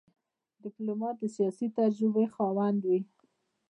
ډيپلومات د سیاسي تجربې خاوند وي.